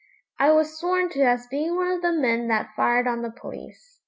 I was sworn to as being one of the men that fired on the police.